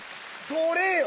取れよ。